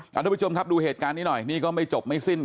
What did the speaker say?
ทุกผู้ชมครับดูเหตุการณ์นี้หน่อยนี่ก็ไม่จบไม่สิ้น